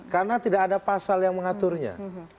karena tidak ada pasal yang mengaturnya